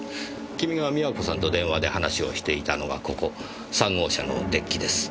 君が美和子さんと電話で話をしていたのはここ３号車のデッキです。